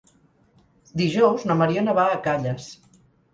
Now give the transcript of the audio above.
Dijous na Mariona va a Calles.